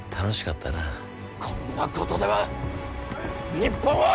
こんなことでは、日本は。